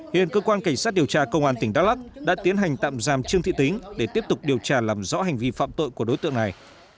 hiện cơ quan cảnh sát điều tra công an tỉnh đắk lắc đã tiến hành tạm giam trương thị tính để tiếp tục điều tra làm rõ hành vi phạm tội của đối tượng này